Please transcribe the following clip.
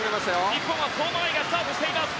日本は相馬あいがスタートしています。